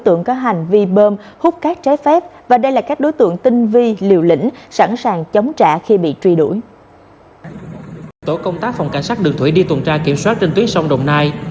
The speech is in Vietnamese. tổ công tác phòng cảnh sát đường thủy đi tuần tra kiểm soát trên tuyến sông đồng nai